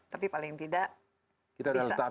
tapi paling tidak bisa sudah dimulai